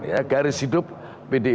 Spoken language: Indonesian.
ya garis hidup pdi